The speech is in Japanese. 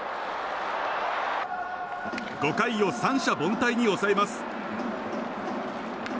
５回を三者凡退に抑えます。